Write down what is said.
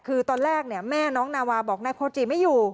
คือตอนแรกแม่น้องนาวาบอกนายโคจิไม่อยู่